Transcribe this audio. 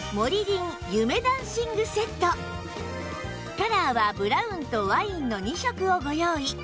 カラーはブラウンとワインの２色をご用意